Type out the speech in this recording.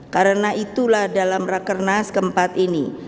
karena itulah dalam rakernas ke empat ini